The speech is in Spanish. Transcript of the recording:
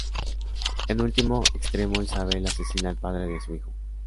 En último extremo Isabel asesina al padre de su hijo.